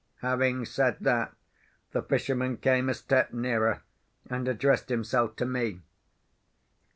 Having said that, the fisherman came a step nearer, and addressed himself to me.